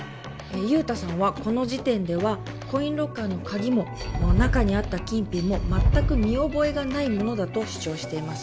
雄太さんはこの時点ではコインロッカーの鍵も中にあった金品も全く見覚えがないものだと主張しています